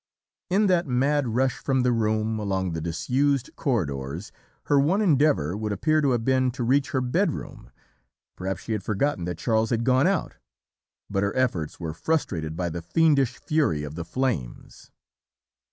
"In that mad rush from the room along the disused corridors her one endeavour would appear to have been to reach her bedroom perhaps she had forgotten that Charles had gone OUT but her efforts were frustrated by the fiendish fury of the flames.